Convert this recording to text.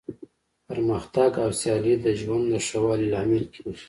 پرمختګ او سیالي د ژوند د ښه والي لامل کیږي.